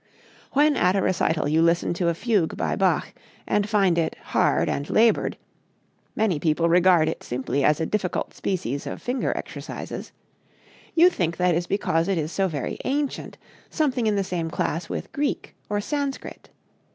When at a recital you listen to a fugue by Bach and find it hard and labored many people regard it simply as a difficult species of finger exercises you think that is because it is so very ancient, something in the same class with Greek or Sanscrit.